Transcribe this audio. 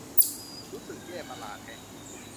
รู้สึกแย่ประหลาดแฮะ